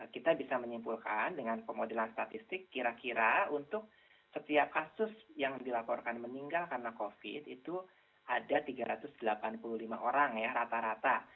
kita bisa menyimpulkan dengan pemodelan statistik kira kira untuk setiap kasus yang dilaporkan meninggal karena covid itu ada tiga ratus delapan puluh lima orang ya rata rata